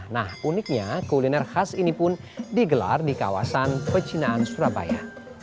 nah uniknya kuliner khas ini pun digelar di kawasan pecinaan surabaya